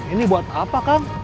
ini buat apa kang